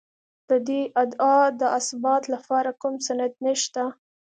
د دې ادعا د اثبات لپاره کوم سند نشته.